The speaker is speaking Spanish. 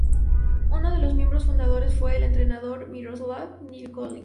Uno de los miembros fundadores fue el entrenador Miroslav Nikolić.